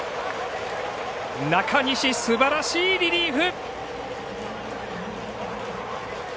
中西、すばらしいリリーフ。